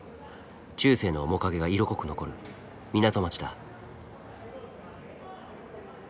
中世の面影が色濃く残る港町だ。